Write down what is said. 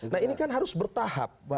nah ini kan harus bertahap